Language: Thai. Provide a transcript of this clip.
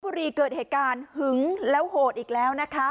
เกิดเหตุการณ์หึงแล้วโหดอีกแล้วนะคะ